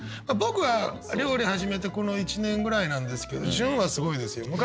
僕は料理始めてこの１年ぐらいなんですけど潤はすごいですよ。